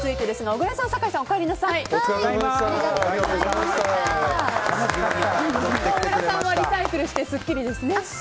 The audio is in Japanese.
小倉さんはリサイクルしてすっきりですね。